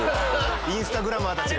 インスタグラマーたちが。